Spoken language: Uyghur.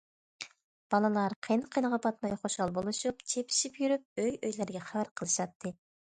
بالىلار قىن- قىنىغا پاتماي خۇشال بولۇشۇپ، چېپىشىپ يۈرۈپ ئۆي- ئۆيلەرگە خەۋەر قىلىشاتتى.